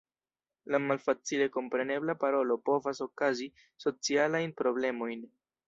La malfacile komprenebla parolo povas okazi socialajn problemojn.